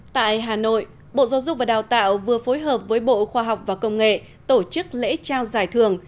tại hà nội bộ giáo dục và đào tạo vừa phối hợp với bộ khoa học và công nghệ tổ chức lễ trao giải thưởng